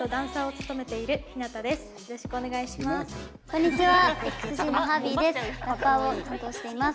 こんにちは。